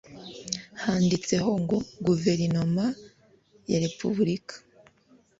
handitseho ngo Guverinoma ya Repubulika